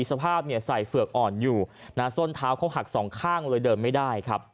สภาพใส่เฝือกอ่อนอยู่ส้นเท้าเขาหัก๒ข้างเลยเดิมไม่ได้